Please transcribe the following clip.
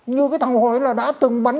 như cái thằng hồi ấy là đã từng bắn chạy